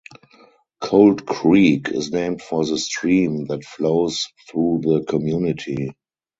Cold Creek is named for the stream that flows through the community.